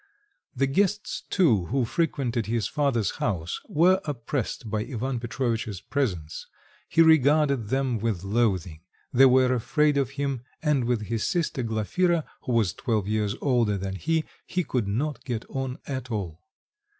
The guests, too, who frequented his father's house, were oppressed by Ivan Petrovitch's presence; he regarded them with loathing, they were afraid of him; and with his sister Glafira, who was twelve years older than he, he could not get on at all.